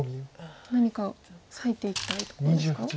何か裂いていきたいところですか？